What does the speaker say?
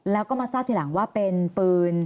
แล้วก็มาทราบทีหลังว่าเป็นปืน